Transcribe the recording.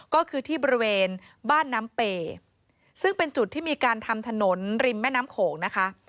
ก็คือที่บริเวณบ้านน้ำเปซึ่งเป็นจุดที่มีการทำถนนริมแม่น้ำโขงนะคะ